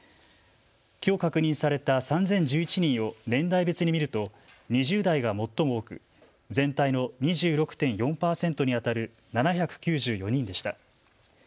きょう確認された３０１１人を年代別に見ると２０代が最も多く全体の２６．４％に当たる７９４人でした。